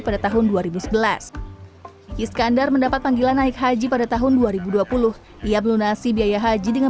pada tahun dua ribu sebelas iskandar mendapat panggilan naik haji pada tahun dua ribu dua puluh ia melunasi biaya haji dengan